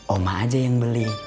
oma aja yang beli